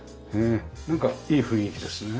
なんかいい雰囲気ですね。